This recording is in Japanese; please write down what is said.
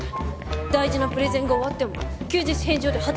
大事なプレゼンが終わっても休日返上で働いてるんです。